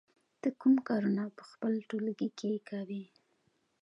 ته کوم کارونه په خپل ټولګي کې کوې؟